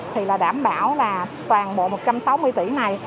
thì là đảm bảo là toàn bộ một trăm sáu mươi tỷ này